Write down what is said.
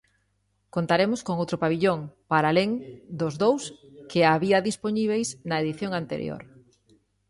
Contaremos con outro pavillón, para alén dos dous que había dispoñíbeis na edición anterior.